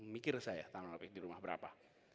mikir saya tanaman apotek di rumah berapa